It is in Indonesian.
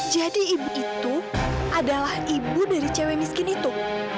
jadi ibu itu adalah ibu dari cewek miskin itu